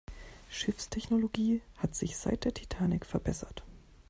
Schiffstechnologie hat sich seit der Titanic verbessert.